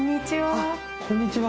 あっこんにちは。